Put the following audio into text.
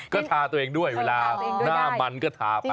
ก็ทาตัวเองด้วยเวลาหน้ามันก็ทาไป